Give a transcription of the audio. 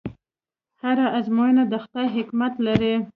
هره ازموینه د خدای حکمت لري.